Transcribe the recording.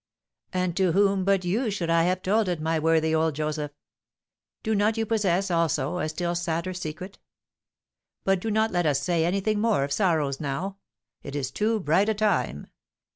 "And to whom but you should I have told it, my worthy old Joseph? Do not you possess, also, a still sadder secret? But do not let us say anything more of sorrows now, it is too bright a time.